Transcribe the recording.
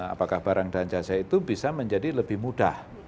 apakah barang dan jasa itu bisa menjadi lebih mudah